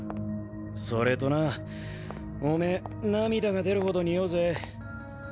それとなぁおめぇ涙が出るほど臭うぜ。